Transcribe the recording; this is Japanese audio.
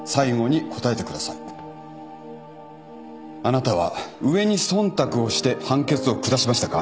あなたは上に忖度をして判決を下しましたか。